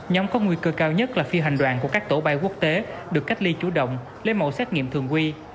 nhóm có nguy cơ cao nhất là phi hành đoàn của các tổ bay quốc tế được cách ly chủ động lấy mẫu xét nghiệm thường quy